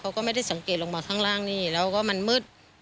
เขาก็ไม่ได้สังเกตลงมาข้างล่างนี่แล้วก็มันมืด